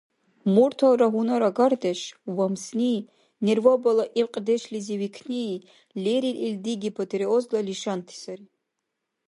Мурталра гьунарагардеш, вамсни, нервабала ибкьдешлизи викни — лерил илди гипотиреозла лишанти сари.